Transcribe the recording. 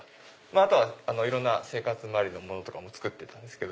あといろんな生活周りのものも作ってたんですけど。